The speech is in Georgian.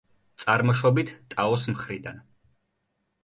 წარმოშობით ტაოს მხრიდან.